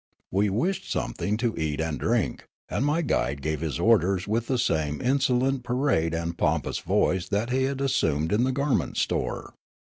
We wished something to eat and drink, and my guide gave his orders with the same insolent parade and pompous voice that he had assumed in the garment store.